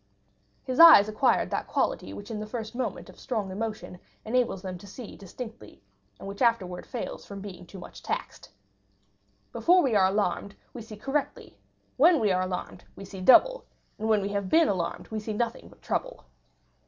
His eyes acquired that quality which in the first moment of strong emotion enables them to see distinctly, and which afterwards fails from being too much taxed. Before we are alarmed, we see correctly; when we are alarmed, we see double; and when we have been alarmed, we see nothing but trouble.